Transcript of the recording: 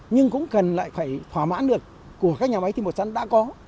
nhưng cũng cần lại phải thỏa mãn được của các nhà máy tim bột sắn đã có